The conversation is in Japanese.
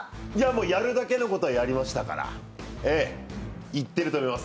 やるだけのことはやりましたから、いってると思います。